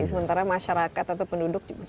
sementara masyarakat atau penduduk